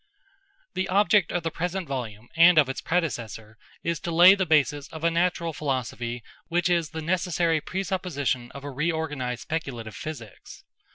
The object of the present volume and of its predecessor is to lay the basis of a natural philosophy which is the necessary presupposition of a reorganised speculative physics.